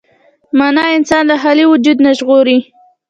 معنی انسان له خالي وجود نه ژغوري.